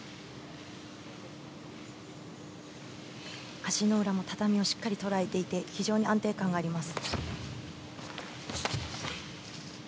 足の裏も畳をしっかり捉えていて非常に安定感があります。